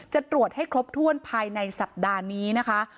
จะตรวจให้ครบถ้วนภายในสัปดาห์นี้นะคะ